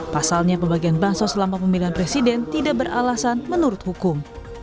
pasalnya pembagian bansos selama pemilihan presiden tidak beralasan menurut hukum